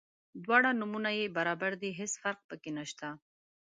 دواړه نومونه یې برابر دي هیڅ فرق په کې نشته.